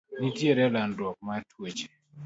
Nitiere landruok mar tuoche.